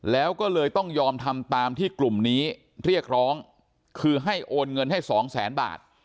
แล้วก็เลยต้องยอมทำตามที่กลุ่มนี้เรียกร้องคือให้โอนเงินให้สองแสนบาท